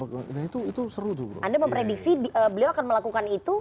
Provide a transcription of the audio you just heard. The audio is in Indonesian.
anda memprediksi beliau akan melakukan itu